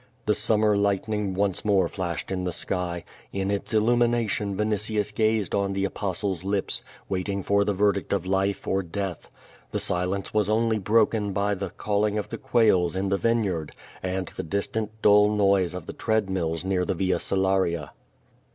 The summer lightning once more flashed in the sky. In its illumination Vinitius gazed on the Apostle^'s lips, waiting for the verdict of life or death. The silence was only broken by the ciitlling of the quails in the vineyard, and the distant dull noisd of the tread mills near the Via Salaria.